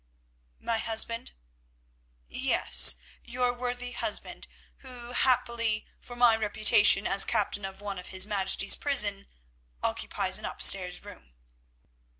"My husband?" "Yes, your worthy husband, who, happily for my reputation as captain of one of His Majesty's prisons, occupies an upstairs room."